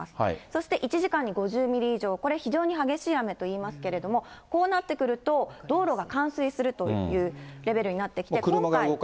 そして１時間に５０ミリ以上、これ、非常に激しい雨といいますけれども、こうなってくると、道路が冠水するというレベルになってきて。